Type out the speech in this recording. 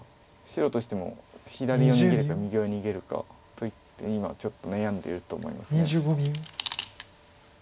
白としても左を逃げるか右を逃げるかといって今ちょっと悩んでると思います。